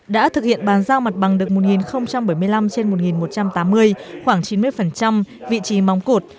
đã thực hiện bàn giao mặt bằng được một bảy mươi năm trên một một trăm tám mươi khoảng chín mươi vị trí móng cột